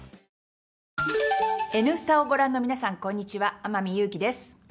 「Ｎスタ」を御覧の皆さん、こんにちは、天海祐希です。